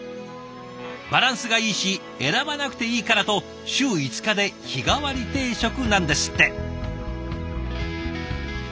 バランスがいいし選ばなくていいからと週５日で日替わり定食なんですって。